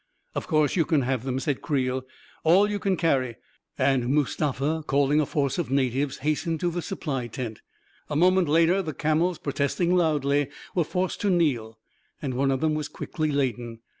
"Of course you can have them," said Creel. 14 All you can tarry," and Mustafa, calling a force of natives, hastened to the supply tent. A moment later, the camels, protesting loudly, were forced to kneel, and one of them was quickly laden.